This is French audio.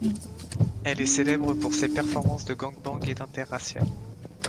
Elle est célèbre pour ses performances de gang bang et d'interracial.